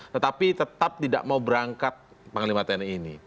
tetapi tetap tidak mau berangkat panglima tni ini